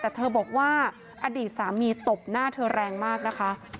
แต่เธอบอกว่าอดีตสามีตบหน้าเธอแรงมากนะคะ